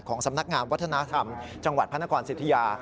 ของสำนักงานวัฒนธรรมจังหวัดพนักรณ์สิทธิา